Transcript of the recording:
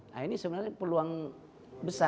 nah ini sebenarnya peluang besar